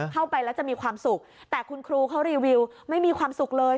เข้าไปแล้วจะมีความสุขแต่คุณครูเขารีวิวไม่มีความสุขเลย